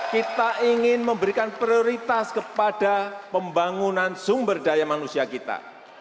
kita ingin memberikan prioritas kepada pembangunan sumber daya manusia kita